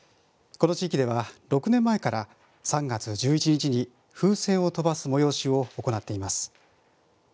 この地域では６年前から３月１１日に風船を飛ばす催しを行っています。